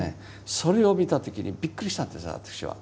それを見た時にびっくりしたんです私は。